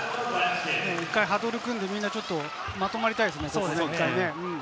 ハドルを組んでまとまりたいですね。